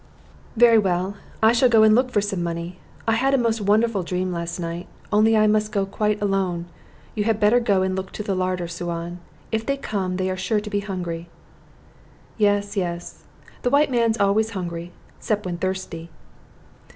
"Very well. I shall go and look for some money. I had a most wonderful dream last night. Only I must go quite alone. You had better go and look to the larder, Suan. If they come, they are sure to be hungry." "Yes, yes; the white mans always hungry, sep when thirsty."